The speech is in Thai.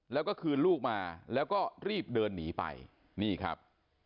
แล้วก็คืนลูกมาแล้วก็รีบเดินหนีไปนี่ครับ